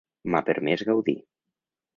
M'ha permès gaudir.